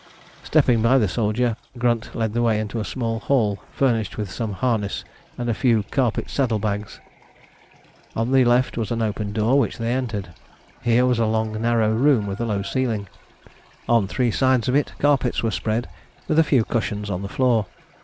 Stepping by the soldier, Grunt led the way into a small hall furnished with some harness and a few carpet saddle bags. On the left was an open door, which they entered. Here was a long narrow room with a low ceiling. On three sides of it carpets were spread, with a few cushions on the floor.